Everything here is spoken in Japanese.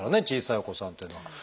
小さいお子さんっていうのは。